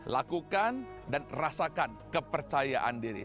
lakukan dan rasakan kepercayaan diri